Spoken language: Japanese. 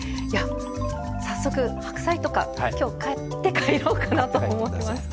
早速白菜とか今日買って帰ろうかなと思いました。